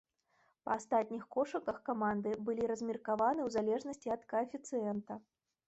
Па астатніх кошыках каманды былі размеркаваны ў залежнасці ад каэфіцыента.